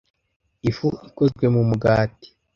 Ifu ikozwe mu mugati.